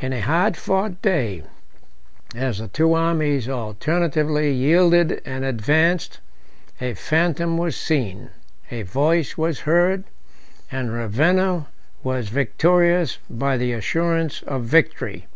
In a hard fought day, as the two armies alternately yielded and advanced, a phantom was seen, a voice was heard, and Ravenna was victorious by the assurance of victory.